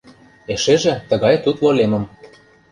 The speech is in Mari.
Эшеже тыгай тутло лемым.